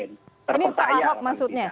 ini pak awok maksudnya